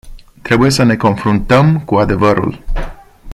Trebuie să ne confruntăm cu adevărul.